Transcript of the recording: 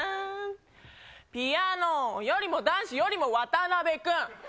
ピアノよりも、男子よりもわたなべ君。